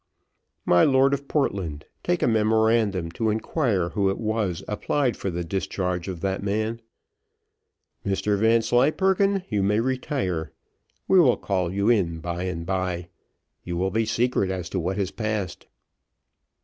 "My Lord of Portland, take a memorandum to inquire who it was applied for the discharge of that man. Mr Vanslyperken you may retire we will call you in by and bye you will be secret as to what has passed."